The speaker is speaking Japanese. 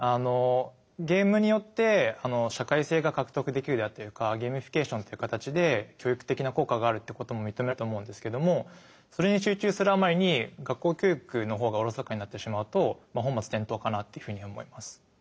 ゲームによって社会性が獲得できるであったりとかゲーミフィケーションっていう形で教育的な効果があるってことも認められると思うんですけどもそれに集中するあまりに学校教育の方がおろそかになってしまうと本末転倒かなっていうふうに思います。